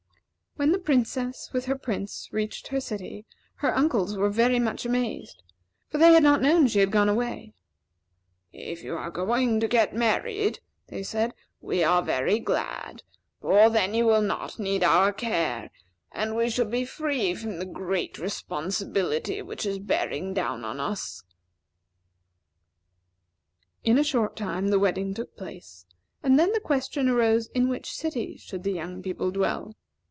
When the Princess, with her Prince, reached her city, her uncles were very much amazed; for they had not known she had gone away. "If you are going to get married," they said, "we are very glad; for then you will not need our care, and we shall be free from the great responsibility which is bearing us down." In a short time the wedding took place, and then the question arose in which city should the young couple dwell.